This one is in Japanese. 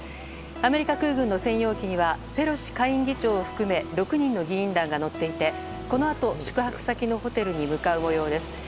アメリカ空軍の専用機にはペロシ下院議長を含め６人の議員団が乗っていてこのあと宿泊先のホテルに向かう模様です。